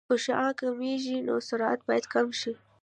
که شعاع کمېږي نو سرعت باید کم شي